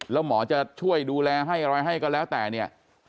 แล้วหมอจะช่วยดูแลให้อะไรให้ก็แล้วแต่เนี่ย